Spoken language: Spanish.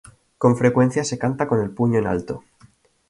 Con frecuencia se canta con el puño en alto.